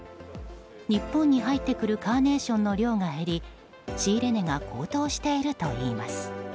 日本に入ってくるカーネーションの量が減り仕入れ値が高騰しているといいます。